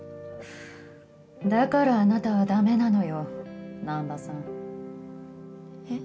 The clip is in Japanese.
だからあなたはダメなのよ南波さん。えっ？